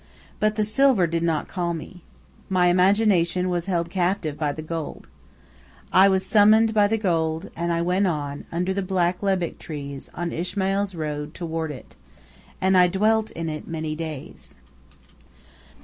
But the silver did not call me. My imagination was held captive by the gold. I was summoned by the gold, and I went on, under the black lebbek trees, on Ismail's road, toward it. And I dwelt in it many days.